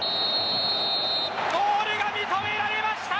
ゴールが認められました！